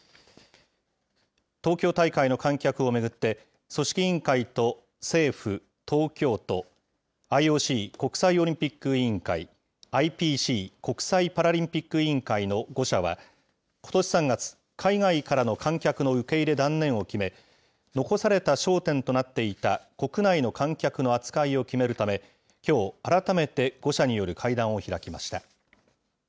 東京大会の観客を巡って、組織委員会と政府、東京都、ＩＯＣ・国際オリンピック委員会、ＩＰＣ・国際パラリンピック委員会の５者は、ことし３月、海外からの観客の受け入れ断念を決め、残された焦点となっていた国内の観客の扱いを決めるため、きょう、改めて５者による会談を開きました。